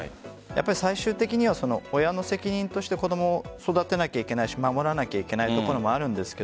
最終的には親の責任として子供を育てなければいけないし守らなければいけないところもあるんですが